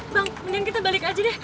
bang kemudian kita balik aja deh